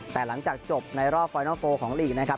แต่หลังจากจบในรอบฟอยนอลโฟลของลีกนะครับ